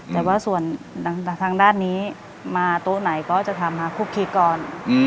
แต่ว่าส่วนทางด้านนี้มาโต๊ะไหนก็จะทำมาคุกคีก่อน